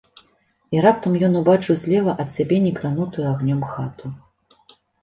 І раптам ён убачыў злева ад сябе не кранутую агнём хату.